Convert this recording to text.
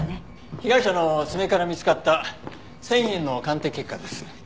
被害者の爪から見つかった繊維片の鑑定結果です。